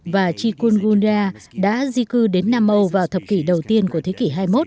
và chikungunia đã di cư đến nam âu vào thập kỷ đầu tiên của thế kỷ hai mươi một